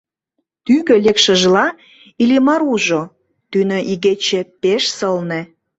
Тӱгӧ лекшыжла Иллимар ужо: тӱнӧ игече пеш сылне.